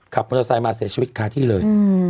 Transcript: ขับมนุษย์ทรายมาเสียชีวิตค่าที่เลย